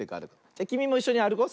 じゃきみもいっしょにあるこう。